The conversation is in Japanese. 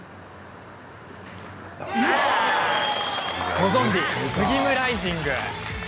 ご存じ、スギムライジング！